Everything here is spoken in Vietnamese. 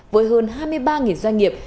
với hơn hai mươi ba doanh nghiệp